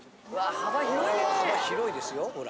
幅広いですよほら。